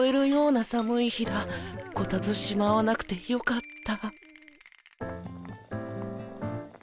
コタツしまわなくてよかった。